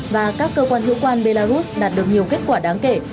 và các cơ quan hữu quan belarus đạt được nhiều kết quả đáng kể